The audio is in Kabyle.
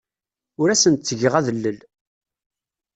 Ur asen-ttgeɣ adellel.